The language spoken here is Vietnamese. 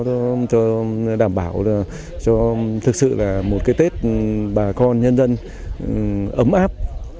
để đảm bảo cho một tết bà con nhân dân ấm áp